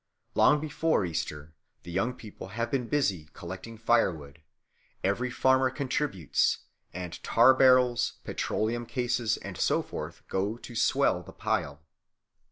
Long before Easter the young people have been busy collecting firewood; every farmer contributes, and tar barrels, petroleum cases, and so forth go to swell the pile.